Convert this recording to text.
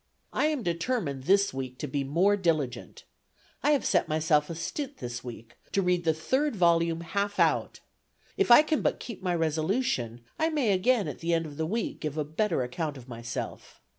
I am determined this week to be more diligent. ... I have set myself a stint this week, to read the third volume half out. If I can but keep my resolution, I may again at the end of the week give a better account of myself.